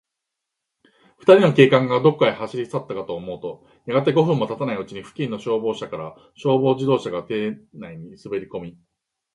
ふたりの警官が、どこかへ走りさったかと思うと、やがて、五分もたたないうちに、付近の消防署から、消防自動車が邸内にすべりこみ、